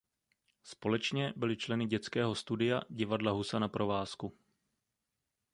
Společně byli členy Dětského studia Divadla Husa na provázku.